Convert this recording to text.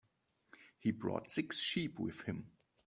He brought six sheep with him.